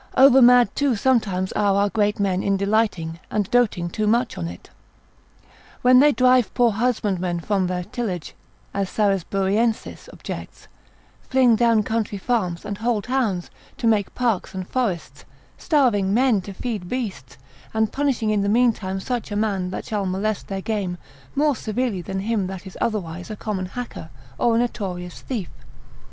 Over mad too sometimes are our great men in delighting, and doting too much on it. When they drive poor husbandmen from their tillage, as Sarisburiensis objects, Polycrat. l. 1. c. 4, fling down country farms, and whole towns, to make parks, and forests, starving men to feed beasts, and punishing in the mean time such a man that shall molest their game, more severely than him that is otherwise a common hacker, or a notorious thief.